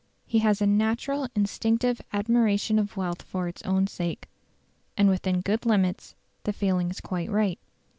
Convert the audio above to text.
He has a "natural instinctive admiration of wealth for its own sake". And within good limits the feeling is quite right.